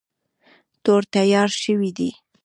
تور تیار شوی دی.